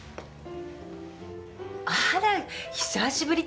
あら。